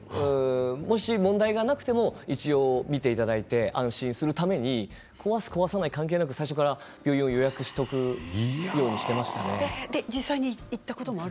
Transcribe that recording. もし問題がなくても一応診ていただいて安心するために壊す壊さない関係なく病院を予約していました。